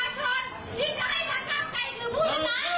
คุณจะตุกติดเสียงของประชาชน